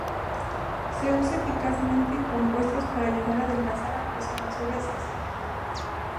Se usa eficazmente en compuestos para ayudar a adelgazar a personas obesas.